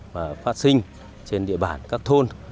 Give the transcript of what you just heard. và phát sinh trên địa bàn các thôn